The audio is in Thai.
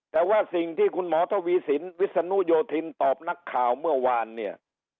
แต่ว่าสิ่งที่คุณหมอทวีสินวิศนุโยธินตอบนักข่าวเมื่อวานเนี่ย